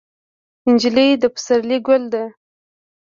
نجلۍ د پسرلي ګل ده.